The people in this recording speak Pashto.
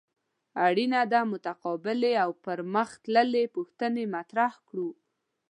اړینه ده متقابلې او پرمخ تللې پوښتنې مطرح کړو.